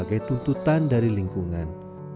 sebagai tuntutan dari lingkungan